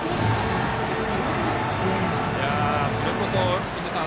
それこそ印出さん